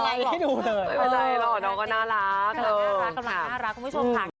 แต่คนที่แบบว้ายต้องเอาเสื้อมาคุ้มน้อง